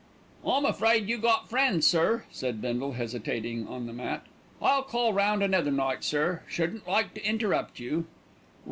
"I'm afraid you got friends, sir," said Bindle, hesitating on the mat. "I'll call round another night, sir. Shouldn't like to interrupt you."